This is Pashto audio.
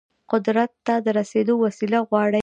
قدرت ته د رسیدل وسيله غواړي.